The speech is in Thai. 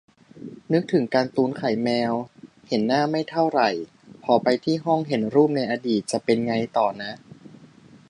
นึกถึงการ์ตูนไข่แมว เห็นหน้าไม่เท่าไหร่ พอไปที่ห้อง เห็นรูปในอดีต จะเป็นไงต่อนะ